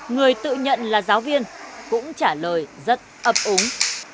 người tự nhận là giáo viên cũng trả lời rất ấp ứng